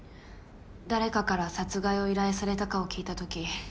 誰かから殺害を依頼されたかを聞いた時。